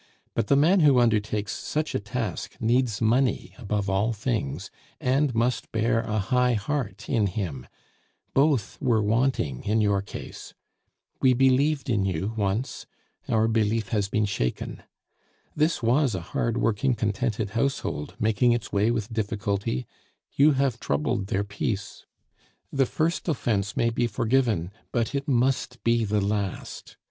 But the man who undertakes such a task needs money above all things, and must bear a high heart in him; both were wanting in your case. We believed in you once, our belief has been shaken. This was a hard working, contented household, making its way with difficulty; you have troubled their peace. The first offence may be forgiven, but it must be the last.